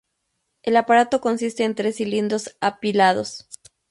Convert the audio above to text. El aparato consiste en tres cilindros apilados.